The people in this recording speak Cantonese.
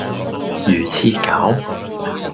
魚翅餃